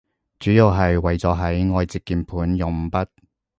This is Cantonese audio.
主要係為咗喺外接鍵盤用五筆